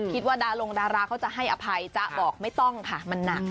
คิดว่าดารงดาราเขาจะให้อภัยจ้าบอกไม่ต้องค่ะมันน่ะ